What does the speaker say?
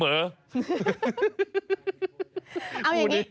เอาอย่างนี้